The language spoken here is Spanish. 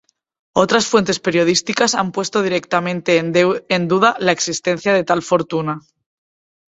Otras fuentes periodísticas han puesto directamente en duda la existencia de tal fortuna.